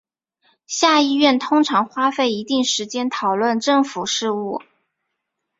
下议院通常花费一定时间讨论政府事务。